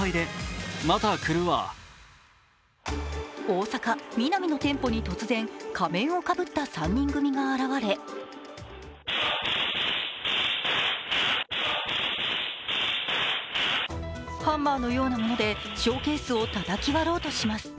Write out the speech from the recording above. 大阪・ミナミの店舗に突然仮面をかぶった３人組が現れハンマーのようなものでショーケースをたたき割ろうとします。